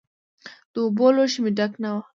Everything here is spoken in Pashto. د اوبو لوښی مې ډک نه و.